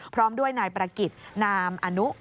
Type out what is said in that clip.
พร้อมด้วยนายประกิจนามอนุ